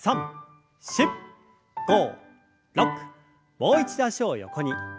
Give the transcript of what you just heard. もう一度脚を横に。